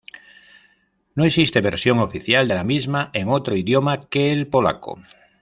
No existe versión oficial de la misma en otro idioma que el polaco.